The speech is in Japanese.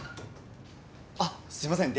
あっすいません